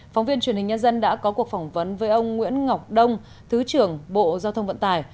phóng viên truyền hình nhân dân đã có cuộc phỏng vấn với ông nguyễn ngọc đông thứ trưởng bộ giao thông vận tải